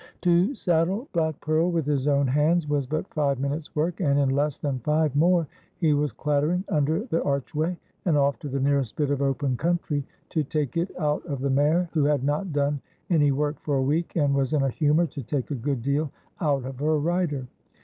To saddle Black Pearl with his own hands was but five minutes' work, and in less than five more he was clattering under the archway and ofE to the nearest bit of open country, to take it out of the mare, who had not done any work for a week, and was in a humour to take a good deal out of her rider.